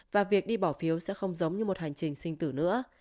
và việc đi bỏ phiếu sẽ không giống như một hành trình sinh tử nữa